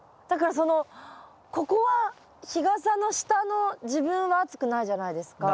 だからそのここは日傘の下の自分は暑くないじゃないですか。